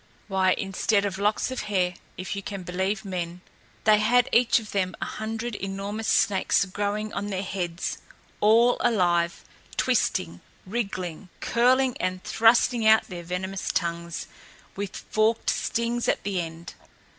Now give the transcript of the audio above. Why, instead of locks of hair, if you can believe men, they had each of them a hundred enormous snakes growing on their heads, all alive, twisting, wriggling, curling and thrusting out their venomous tongues, with forked stings at the end!